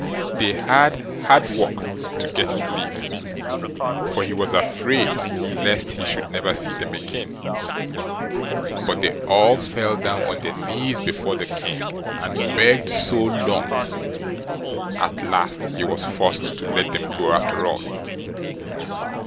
They had hard work to get his leave, for he was afraid lest he should never see them again, but they all fell down on their knees before the king, and begged so long, at last he was forced to let them go after all.